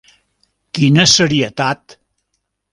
-Quina serietat!